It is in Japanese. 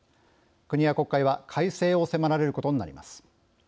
国や国会は改正を迫られることになります。